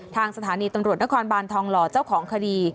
ทางสถานีตำรวจนครบานทองหล่อเจ้าของคดี